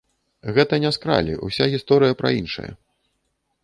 Гэта не скралі, уся гісторыя пра іншае.